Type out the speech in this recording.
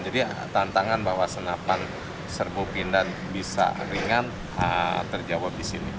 jadi tantangan bahwa senapan serbu pindad bisa ringan terjawab di sini